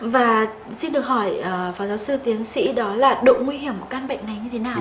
và xin được hỏi phó giáo sư tiến sĩ đó là độ nguy hiểm của căn bệnh này như thế nào